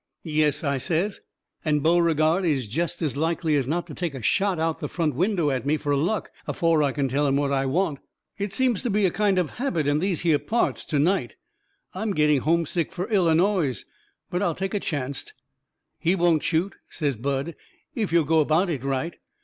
"Yes," I says, "and Beauregard is jest as likely as not going to take a shot out of the front window at me, fur luck, afore I can tell him what I want. It seems to be a kind of habit in these here parts to night I'm getting homesick fur Illinoise. But I'll take a chancet." "He won't shoot," says Bud, "if yo' go about it right.